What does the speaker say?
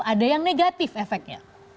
ada yang negatif efeknya